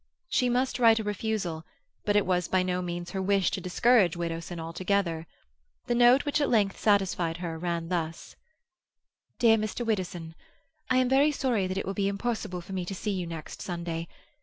She must write a refusal, but it was by no means her wish to discourage Widdowson altogether. The note which at length satisfied her ran thus: "DEAR MR. WIDDOWSON—I am very sorry that it will be impossible for me to see you next Sunday.